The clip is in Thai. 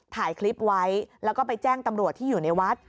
ถ่ายคลิปไว้แล้วก็ไปแจ้งตำรวจที่อยู่ในวัด